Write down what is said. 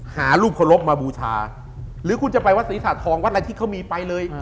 หาลูกพระลบมาบูชาหรือคุณจะไปวัดศรีศาสตร์ทองวัดอะไรที่เค้ามีไปเลย